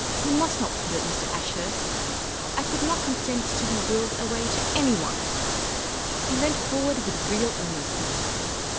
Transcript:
You must not put it, Mr. Ashurst. I could not consent to be willed away to anybody." He leant forward, with real earnestness.